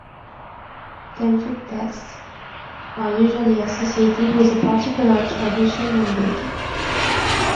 Tantric texts are usually associated with a particular tradition and deity.